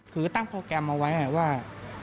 คือตั้งโปรแกรมเอาไว้ว่า